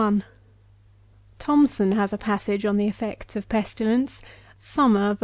Thomson has a passage on tne effects of pestilence* Summer, ver.